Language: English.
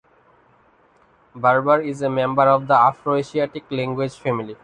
Berber is a member of the Afroasiatic language family.